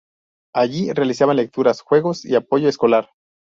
Allí realizaban lecturas, juegos y apoyo escolar.